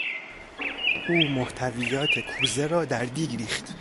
او محتویات کوزه را در دیگ ریخت.